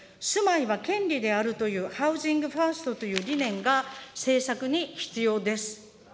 住まいは権利であるというハウジングファーストという理念が、政策に必要です。